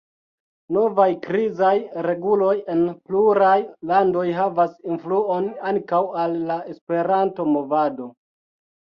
Novaj krizaj reguloj en pluraj landoj havas influon ankaŭ al la Esperanto-movado.